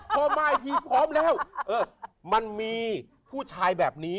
พอมาอีกทีพร้อมแล้วมันมีผู้ชายแบบนี้